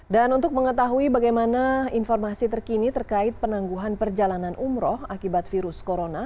untuk mengetahui bagaimana informasi terkini terkait penangguhan perjalanan umroh akibat virus corona